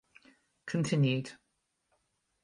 Cont.